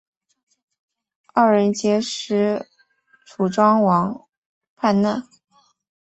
二人劫持楚庄王叛乱。